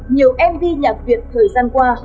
nhiều mv nhạc viện thời gian qua